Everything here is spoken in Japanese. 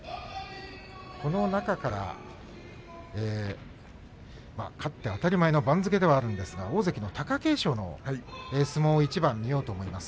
この中から勝って当たり前の番付ではあるんですが大関の貴景勝の相撲を一番見ようと思います。